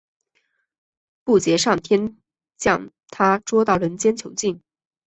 布杰上天将它捉到人间囚禁。